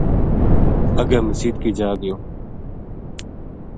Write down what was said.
اَگے مسیت کی جا گیو